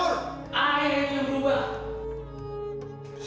akhirnya itu berubah